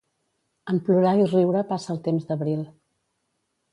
En plorar i riure passa el temps d'abril.